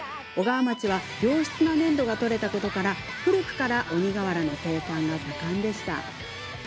小川町は良質な粘土がとれたことから、古くから鬼がわらの生産が盛んでした。